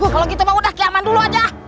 kalau begitu mas sudah kiaman dulu saja